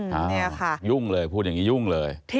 นี่ค่ะยุ่งเลยพูดอย่างนี้ยุ่งเลย